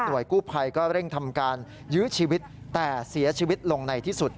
กู้ภัยก็เร่งทำการยื้อชีวิตแต่เสียชีวิตลงในที่สุด